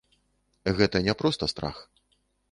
Гэта не проста страх.